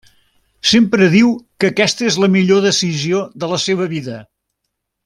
Sempre diu que aquesta la millor decisió de la seva vida.